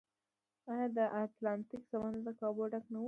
آیا د اتلانتیک سمندر د کبانو ډک نه و؟